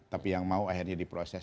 tapi yang mau akhirnya diproses